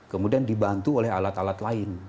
kemudian dibantu oleh alat alat lain